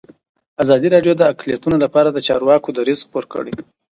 ازادي راډیو د اقلیتونه لپاره د چارواکو دریځ خپور کړی.